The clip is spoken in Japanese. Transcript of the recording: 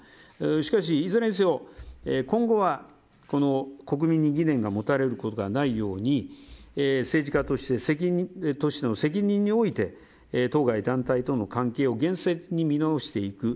しかし、いずれにせよ今後は、国民に疑念が持たれることがないように政治家としての責任において当該団体との関係を厳正に見直していく。